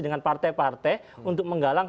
dengan partai partai untuk menggalang